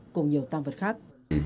cùng nhiều tăng vật khác